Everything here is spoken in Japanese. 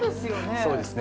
◆そうですよね。